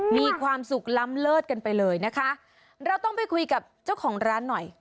มีความสุขล้ำเลิศกันไปเลยนะคะเราต้องไปคุยกับเจ้าของร้านหน่อย